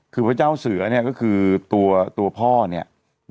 คือพระเจ้าเสือเนี่ยก็คือตัวพ่อเนี่ย